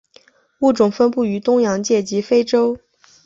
物种分布于东洋界及非洲。